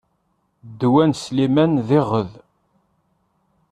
Ddwa n Sliman d iɣed.